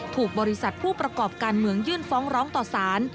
ถูกบริษัทผู้ประกอบการเมืองยื่นฟ้องร้องต่อสาร